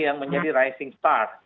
yang menjadi rising star